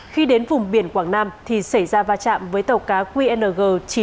khi đến vùng biển quảng nam thì xảy ra va chạm với tàu cá qng chín mươi một nghìn bốn trăm hai mươi sáu